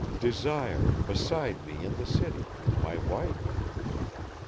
Desire beside me in the city, my wife.